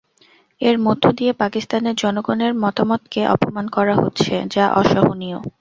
এর মধ্য দিয়ে পাকিস্তানের জনগণের মতামতকে অপমান করা হচ্ছে, যা অসহনীয়।